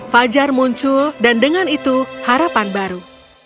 fajar muncul dan dengan itu harapan baru